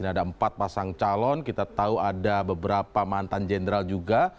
ada empat pasang calon kita tahu ada beberapa mantan jenderal juga